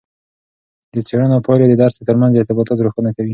د څیړنو پایلې د درس ترمنځ ارتباطات روښانه کوي.